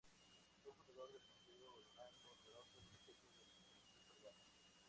Fue fundador del museo, donando numerosos objetos de su colección privada.